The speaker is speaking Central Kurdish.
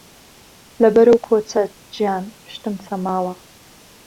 له بهر ئهو کۆچهت، گیان، پشتم چهماوه